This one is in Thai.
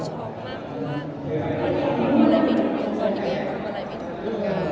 สำหรับคนที่เราชนครึ่งใหม่อย่ก็ลา